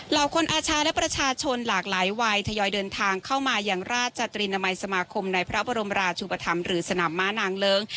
คนอาชาและประชาชนหลากหลายวัยทยอยเดินทางเข้ามายังราชตรีนามัยสมาคมในพระบรมราชุปธรรมหรือสนามม้านางเลิ้ง